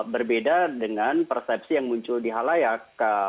berbeda dengan persepsi yang muncul di halayak